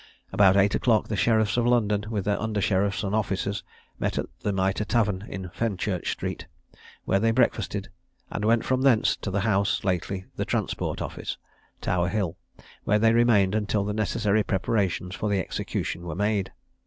About eight o'clock the sheriffs of London, with their under sheriffs and officers, met at the Mitre tavern, in Fenchurch street, where they breakfasted; and went from thence to the house lately the Transport Office, Tower hill, where they remained until the necessary preparations for the execution were made.